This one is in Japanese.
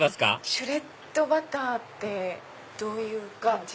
シュレッドバターってどういう感じ？